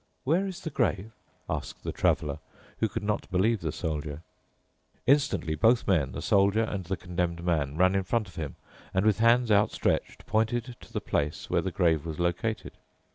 "Where is the grave?" asked the Traveler, who could not believe the Soldier. Instantly both men, the Soldier and the Condemned Man, ran in front of him and with hands outstretched pointed to the place where the grave was located.